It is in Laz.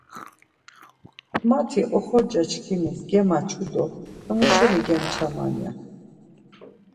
Mati oxorca çkimis gemaçu do hemu şeni gemçaman ya.